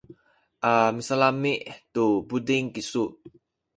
a misalami’ tu buting kisu.